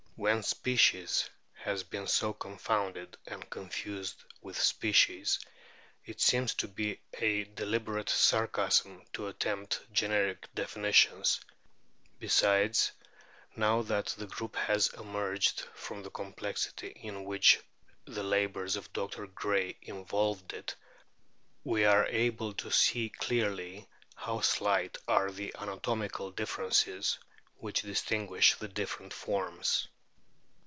When species has been so confounded and confused with species, it seems to be a deliberate sarcasm to attempt generic definitions. Besides, now that the group has emerged from the complexity in which the labours of Dr. Gray involved it, we are able to see clearly how slight are the anatomical differences which distinguish the different forms.